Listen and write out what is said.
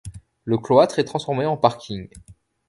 Le cloître est transformé en parking.